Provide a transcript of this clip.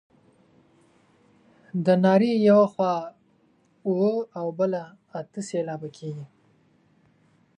د نارې یوه خوا اووه او بله اته سېلابه کیږي.